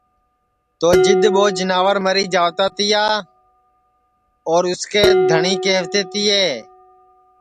تو جِدؔ ٻو جیناور مری جاتا تیا اور اُس کے دھٹؔی کہوتے تیے